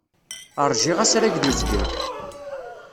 Ṛjiɣ asrag d uzgen.